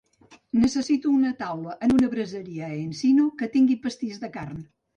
Necessito una taula en una braseria a Encino que tingui pastís de carn.